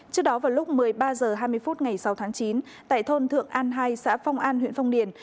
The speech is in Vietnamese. trước đó vào lúc một mươi ba h hai mươi phút ngày sáu tháng chín tại thôn thượng an hai xã phong an huyện phong điền